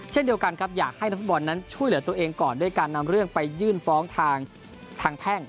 เช่นเดียวกันครับอยากให้นักฟุตบอลนั้นช่วยเหลือตัวเองก่อนด้วยการนำเรื่องไปยื่นฟ้องทางแพ่ง